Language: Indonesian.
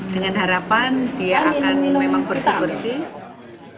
dengan harapan dia akan memang bersih bersih